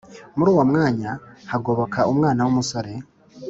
muri uwo mwanya hagoboka umwana w'umusore